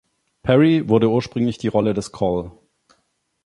Perry wurde ursprünglich die Rolle des "Col.